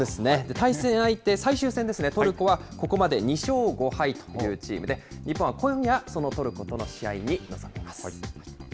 対戦相手、最終戦ですね、トルコはここまで２勝５敗というチームで、日本は今夜、そのトルコとの試合に臨みます。